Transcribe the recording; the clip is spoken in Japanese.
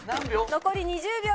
残り２０秒。